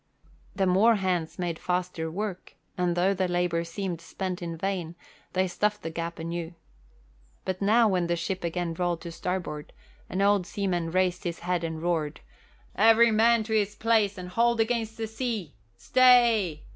The more hands made faster work, and though the labour seemed spent in vain they stuffed the gap anew. But now when the ship again rolled to starboard an old seaman raised his hand and roared, "Every man to his place and hold against the sea! Stay!